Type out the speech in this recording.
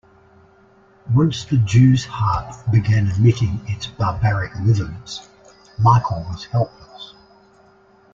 Once the jews harp began emitting its barbaric rhythms, Michael was helpless.